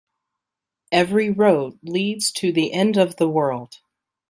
Every road leads to the end of the world.